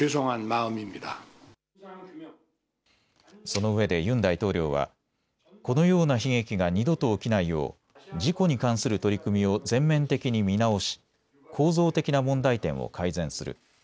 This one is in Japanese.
そのうえでユン大統領は、このような悲劇が二度と起きないよう事故に関する取り組みを全面的に見直し構造的な問題点を改善する。